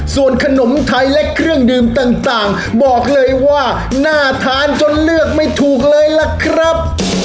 ส่วนขนมไทยและเครื่องดื่มต่างบอกเลยว่าน่าทานจนเลือกไม่ถูกเลยล่ะครับ